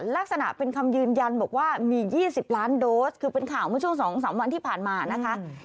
ลักษณะเป็นคำยืนยันบอกว่ามี๒๐ล้านโดสคือเป็นข่าวเมื่อช่วง๒๓วันที่ผ่านมานะคะ